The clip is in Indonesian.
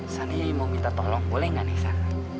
sani mau minta tolong boleh nggak nih san